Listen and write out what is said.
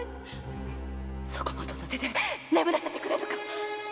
〔そこ許の手で眠らせてくれぬか⁉〕